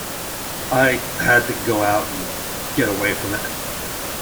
I had to go out and get away from it.